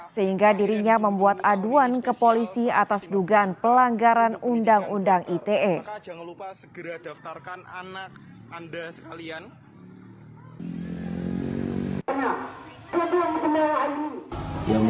sehingga dirinya membuat aduan ke polisi atas dugaan pelanggaran undang undang ite